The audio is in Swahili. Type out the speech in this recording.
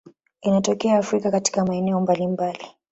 Inatokea Afrika katika maeneo mbalimbali.